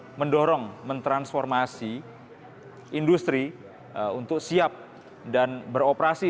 kita akan mendorong mentransformasi industri untuk siap dan beroperasi